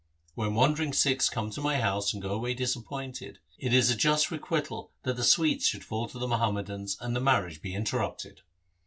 When wandering Sikhs come to my house and go away disappointed, it is but a just requital that the sweets should fall to the Muhammadans, and the marriage be interrupted.'